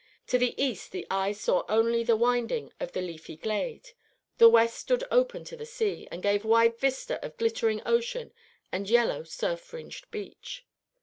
To the east the eye saw only the winding of the leafy glade; the west stood open to the sea, and gave a wide vista of glittering ocean and yellow surf fringed beach.